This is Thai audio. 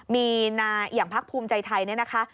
มีนาอย่างพักภูมิใจไทยเนี่ยนะคะ